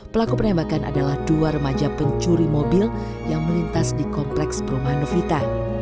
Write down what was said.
pelaku penembakan adalah dua remaja pencuri mobil yang melintas di kompleks perumahan novita